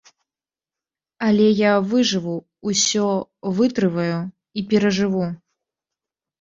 Але я выжыву, усё вытрываю і перажыву!